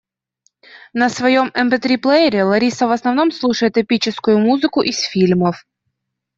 На своём МП-три-плеере Лариса в основном слушает эпическую музыку из фильмов.